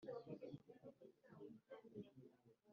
Abazabaho nyuma ye, bazamenyeraho ko ari ikigwari